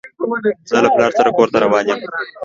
زه له پلار سره کور ته روان يم.